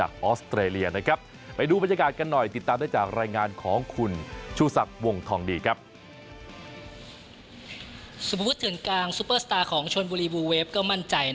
ดีกว่าตลอดศีลสุด